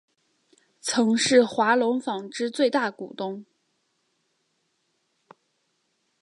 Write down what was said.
曾是华隆纺织最大股东。